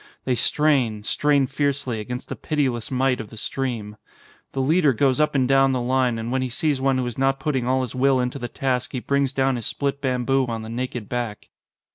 They strain, strain fiercely, against the pitiless might of the stream. The leader goes up and down the line and when he sees one who is not putting all his will into the task he brings down his split bamboo on the naked back.